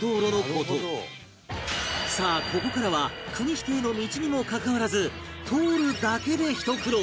さあここからは国指定の道にもかかわらず通るだけでひと苦労！